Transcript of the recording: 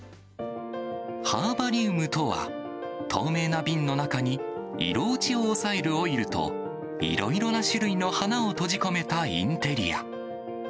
ハーバリウムとは、透明な瓶の中に、色落ちを抑えるオイルと、いろいろな種類の花を閉じ込めたインテリア。